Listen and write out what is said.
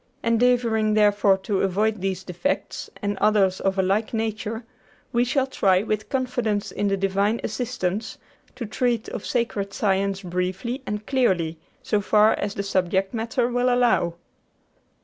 Endeavoring, therefore, to avoid these defects and others of a like nature, we shall try, with confidence in the Divine assistance, to treat of sacred science briefly and clearly, so far as the subject matter will allow."